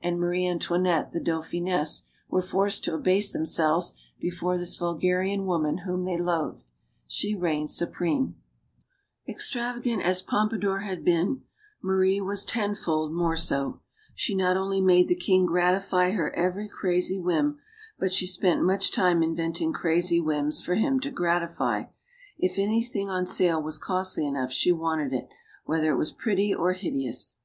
and Marie Antoinette, the Dauphiness, were forced to abase themselves before this vulgarian woman whom they loathed. She reigned supreme. Extravagant as Pompadour had been, Marie was 198 STORIES OF THE SUPER WOMEN tenfold more so. She not only made the king gratify her every crazy whim, but she spent much time invent ing crazy whims for him to gratify. If anything on sale was costly enough, she wanted it, whether it was pretty or hideous.